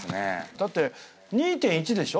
だって２．１でしょ？